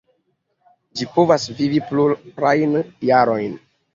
Ĝi povas vivi plurajn jarojn.